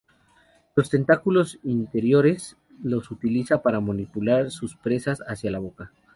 Los tentáculos interiores los utiliza para manipular sus presas hacia la boca.